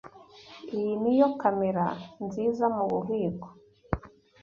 Iyi niyo kamera nziza mububiko.